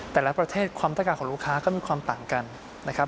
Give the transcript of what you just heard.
แต่ละประเทศความต้องการของลูกค้าก็มีความต่างกันนะครับ